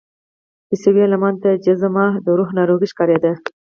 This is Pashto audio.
عیسوي عالمانو ته جذام د روح ناروغي ښکارېدله.